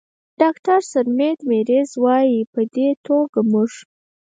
ډاکتر سرمید میزیر، وايي: "په دې توګه موږ